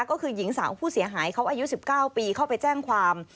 ก็คือหญิงสาวผู้เสียหายเขาอายุ๑๙ปีเข้าไปแจ้งความ